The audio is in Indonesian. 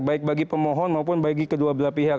baik bagi pemohon maupun bagi kedua belah pihak